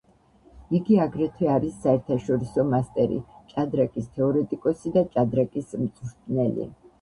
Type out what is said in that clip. იგი აგრეთვე არის საერთაშორისო მასტერი, ჭადრაკის თეორეტიკოსი და ჭადრაკის მწვრთნელი.